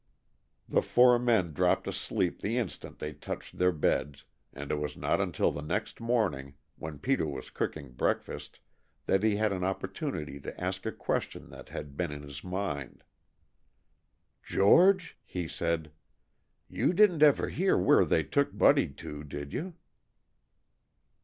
The four men dropped asleep the instant they touched their beds, and it was not until the next morning, when Peter was cooking breakfast that he had an opportunity to ask a question that had been in his mind. "George," he said, "you didn't ever hear where they took Buddy to, did you?"